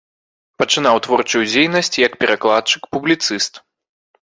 Пачынаў творчую дзейнасць як перакладчык, публіцыст.